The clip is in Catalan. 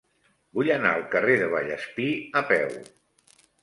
Vull anar al carrer de Vallespir a peu.